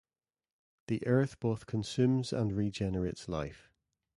The earth both consumes and regenerates life.